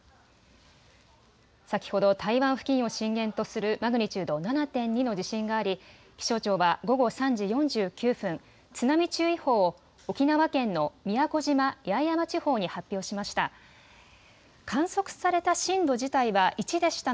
先ほど台湾付近を震源とするマグニチュード７．２の地震があり気象庁は午後３時４９分、津波注意報を沖縄県の宮古島・八重山地方に発表しました。